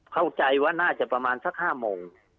เข้าใจว่าน่าจะประมาณสัก๕โมง